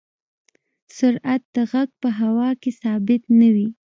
سرعت د غږ په هوا کې ثابت نه وي.